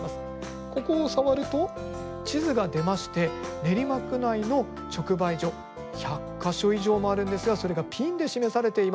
ここを触ると地図が出まして練馬区内の直売所１００か所以上もあるんですがそれがピンで示されています。